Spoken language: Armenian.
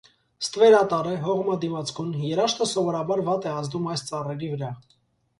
Ստվերատար է, հողմադիմացկուն, երաշտը սովորաբար վատ է ազդում այս ծառերի վրա։